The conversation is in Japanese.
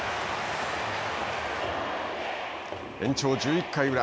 延長１１回裏。